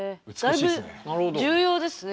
だいぶ重要ですね。